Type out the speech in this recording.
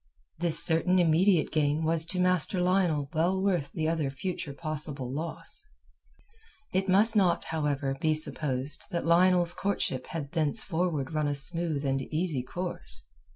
This certain immediate gain was to Master Lionel well worth the other future possible loss. It must not, however, be supposed that Lionel's courtship had thenceforward run a smooth and easy course.